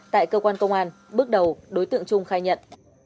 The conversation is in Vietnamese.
tại cơ quan công an bước đầu đối tượng trung khai nhận